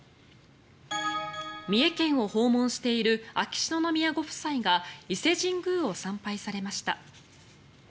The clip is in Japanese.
三重県を訪問している秋篠宮ご夫妻が伊勢神宮を参拝されました。